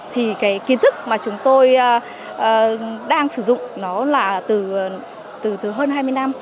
thì cái kiến thức mà chúng tôi đang sử dụng nó là từ hơn hai mươi năm